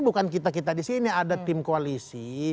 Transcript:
bukan kita kita disini ada tim koalisi